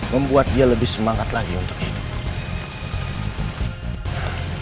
membuat dia lebih semangat lagi untuk ini